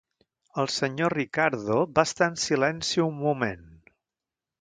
El Sr. Ricardo va estar en silenci un moment.